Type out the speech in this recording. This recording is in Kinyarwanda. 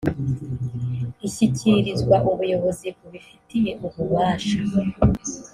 ishyikirizwa ubuyobozi bubifitiye ububasha